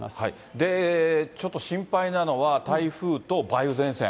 で、ちょっと心配なのは、台風と梅雨前線。